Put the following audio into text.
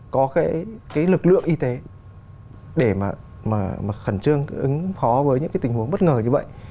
có cái lực lượng y tế để mà khẩn trương ứng phó với những cái tình huống bất ngờ như vậy